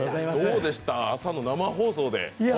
どうでした朝の生放送で。